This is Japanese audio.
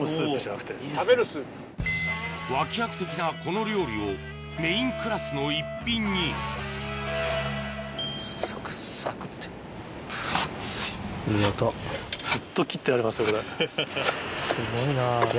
脇役的なこの料理をメインクラスの一品にすごいな。